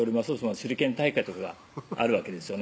手裏剣大会とかがあるわけですよね